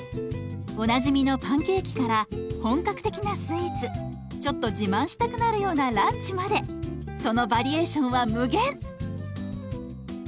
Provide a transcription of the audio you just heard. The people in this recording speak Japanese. おなじみのパンケーキから本格的なスイーツちょっと自慢したくなるようなランチまでそのバリエーションは無限！